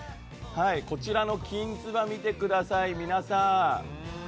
こちらのきんつばを見てください。